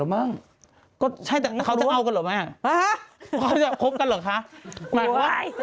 ไม่ใช่แก้ว